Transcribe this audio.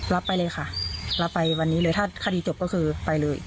รับไปเลยค่ะรับไปวันนี้เลยถ้าคดีจบก็คือไปเลย